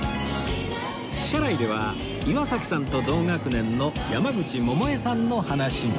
車内では岩崎さんと同学年の山口百恵さんの話に